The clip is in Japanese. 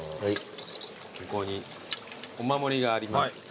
向こうにお守りがあります。